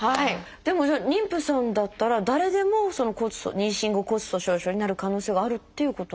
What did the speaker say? でもじゃあ妊婦さんだったら誰でもその妊娠後骨粗しょう症になる可能性があるっていうことなんですか？